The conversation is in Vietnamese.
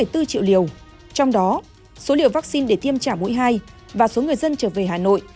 bốn bốn triệu liều trong đó số liều vaccine để tiêm trả mũi hai và số người dân trở về hà nội